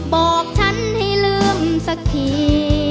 บอกฉันให้ลืมสักที